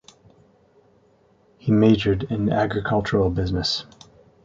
He majored in agricultural business.